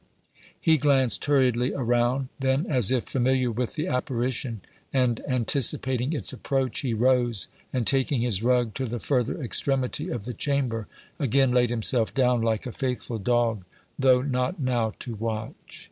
He glanced hurriedly around; then, as if familiar with the apparition, and anticipating its approach, he rose, and, taking his rug to the further extremity of the chamber, again laid himself down, like a faithful dog, though not now to watch.